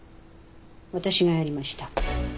私がやりました。